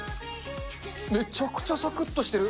めちゃくちゃさくっとしてる。